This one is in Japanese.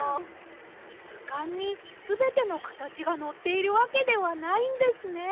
ずかんにすべてのかたちがのっているわけではないんですね。